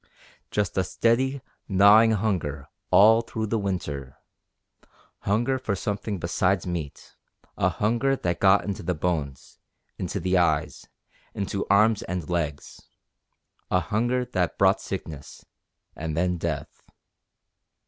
Just a steady, gnawing hunger all through the winter hunger for something besides meat, a hunger that got into the bones, into the eyes, into arms and legs a hunger that brought sickness, and then death.